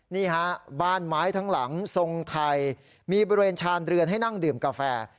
นี่ฮะบ้านไม้ทั้งหลังทรงไทยมีบริเวณชาญเรือนให้นั่งดื่มกาแฟ